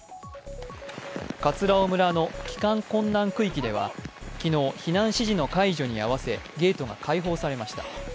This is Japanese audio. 葛尾村の帰還困難区域では昨日、避難指示の解除にあわせ、ゲートが開放されました。